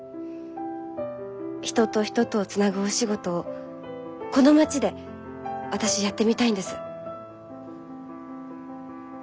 人と人とをつなぐお仕事をこの町で私やってみたいんです。